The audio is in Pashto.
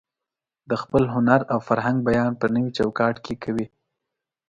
د خپل هنر او فرهنګ بیان په نوي چوکاټ کې کوي.